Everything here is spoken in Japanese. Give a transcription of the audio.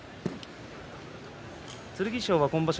剣翔は今場所